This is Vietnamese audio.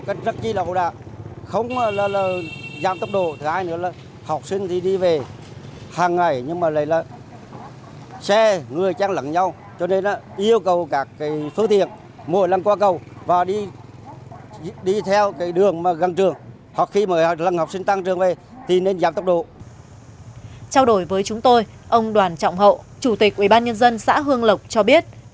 trao đổi với chúng tôi ông đoàn trọng hậu chủ tịch ubnd xã hương lộc cho biết